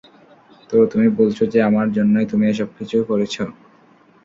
তো, তুমি বলছো যে আমার জন্যই তুমি এসবকিছু করেছো?